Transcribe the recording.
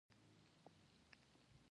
که ګاونډی علم لري، ترې زده کړه